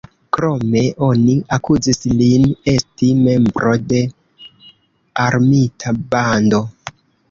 Krome oni akuzis lin esti membro de "armita bando".